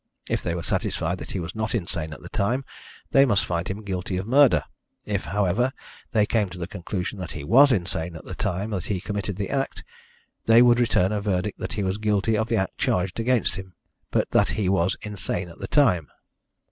If they were satisfied that he was not insane at the time, they must find him guilty of murder. If, however, they came to the conclusion that he was insane at the time he committed the act, they would return a verdict that he was guilty of the act charged against him, but that he was insane at the time.